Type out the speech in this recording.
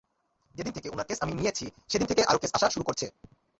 যেদিন থেকে ওনার কেস আমি নিয়েছি সেদিন থেকে আরো কেস আসা শুরু করছে।